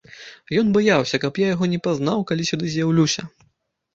Ён баяўся, каб я яго не пазнаў, калі сюды з'яўлюся?